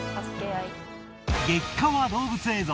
激カワ動物映像！